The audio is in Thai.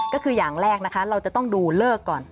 ก็คืออย่างแรกนะคะเราจะต้องดูเลิกก่อน